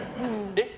えっ？